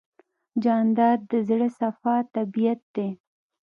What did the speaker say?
جانداد د زړه صاف طبیعت دی.